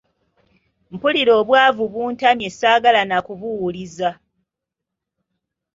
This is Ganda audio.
Mpulira obwavu buntamye saagala na kubuwuliza.